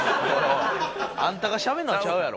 あんたがしゃべるのはちゃうやろ。